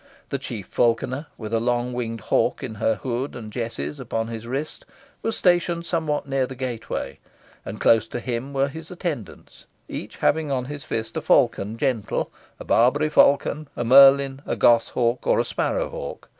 The chief falconer, with a long winged hawk in her hood and jesses upon his wrist, was stationed somewhat near the gateway, and close to him were his attendants, each having on his fist a falcon gentle, a Barbary falcon, a merlin, a goshawk, or a sparrowhawk.